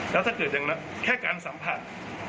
แล้วถ้าเกิดอย่างนั้นแค่การสัมผัส